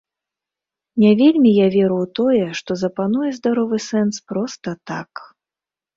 Не вельмі я веру ў тое, што запануе здаровы сэнс проста так.